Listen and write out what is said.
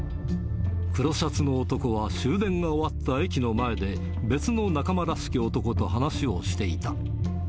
黒シャツの男は終電が終わった駅の前で、別の仲間らしき男と話をしていた。